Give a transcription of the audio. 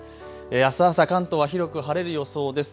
あす朝、関東は広く晴れる予想です。